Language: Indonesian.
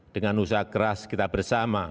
dengan usaha keras kita bersama